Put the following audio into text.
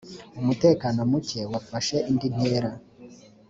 umutekano muke wafashe indintera.